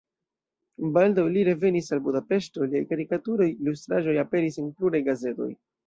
Baldaŭ li revenis al Budapeŝto, liaj karikaturoj, ilustraĵoj aperis en pluraj gazetoj.